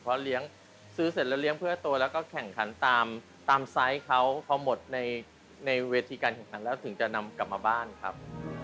เพราะเลี้ยงซื้อเสร็จแล้วเลี้ยงเพื่อตัวแล้วก็แข่งขันตามไซส์เขาพอหมดในเวทีการแข่งขันแล้วถึงจะนำกลับมาบ้านครับ